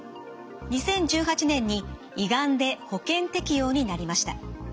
２０１８年に胃がんで保険適用になりました。